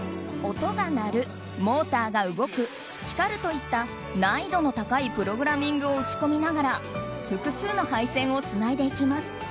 音が鳴る、モーターが動く光るといった難易度の高いプログラミングを打ち込みながら複数の配線をつないでいきます。